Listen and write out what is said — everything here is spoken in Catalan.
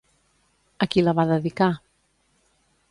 A qui la va dedicar?